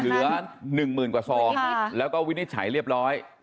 เหลือ๑๐๐๐กว่าซองแล้วก็วินิจฉัยเรียบร้อย